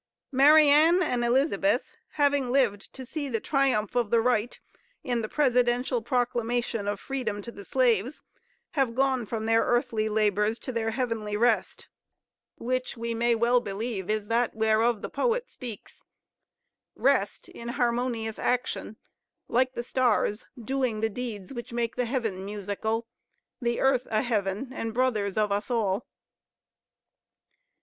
Mariann and Elizabeth, having lived to see the triumph of the Right, in the Presidential Proclamation of Freedom to the slaves, have gone from their earthly labors to their heavenly rest; which, we may well believe, is that whereof the poet speaks: "Rest in harmonious action like the stars, Doing the deeds which make heaven musical, The earth a heaven, and brothers of us all."